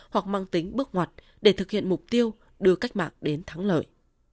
hoặc mang tính bước ngoặt để thực hiện mục tiêu đưa cách mạng đến thắng lợi